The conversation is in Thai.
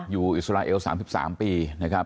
อยู่อิสระเอว๓๓ปีนะครับ